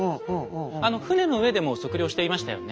あの船の上でも測量していましたよね。